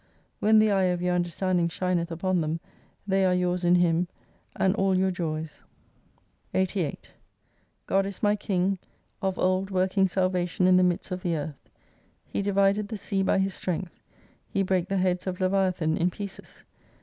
When the eye of your understanding shineth upon them, they are yours in Him, and all your joys. 228 88 God is mv King, of old working salvation in the midst of the Earth. He divided the sea by His strength. He brake the heads of Leviathan in pieces.